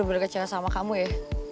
aku bener bener kecelakaan sama kamu ya